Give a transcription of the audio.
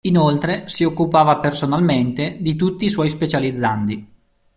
Inoltre si occupava personalmente di tutti i suoi specializzandi.